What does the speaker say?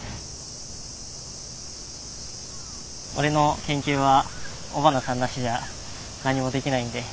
俺の研究は尾花さんなしじゃ何もできないんで。